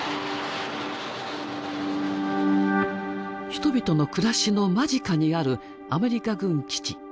人々の暮らしの間近にあるアメリカ軍基地。